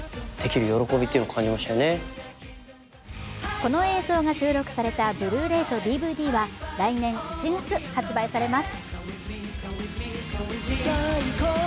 この映像が収録されたブルーレイとＤＶＤは来年１月、発売されます。